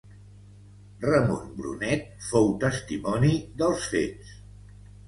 Ramon Brunet fou testimoni dels fets.